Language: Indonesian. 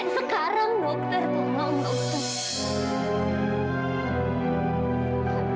sekarang dokter tolong dokter